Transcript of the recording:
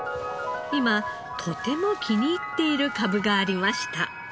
今とても気に入っているかぶがありました。